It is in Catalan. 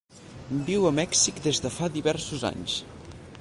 Viu a Mèxic des de fa diversos anys.